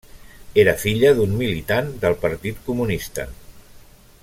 Era filla d'un militant del Partit Comunista.